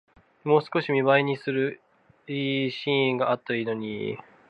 もう少し見栄えのするシーンがあったらいいのに